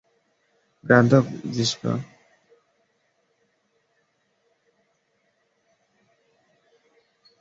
ঙ্গাগ-দ্বাং-'জিগ্স-মেদ-গ্রাগ্স-পা রিং-স্পুংস-পা রাজবংশের চতুর্থ রাজা ঙ্গাগ-দ্বাং-র্নাম-র্গ্যালের তৃতীয় পুত্র ও পঞ্চম রাজা দোন-'গ্রুব-ত্শে-ব্র্তান-র্দো-র্জের ভ্রাতা ছিলেন।